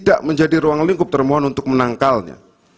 tidak menjadi ruang lingkup termohon untuk menangkalnya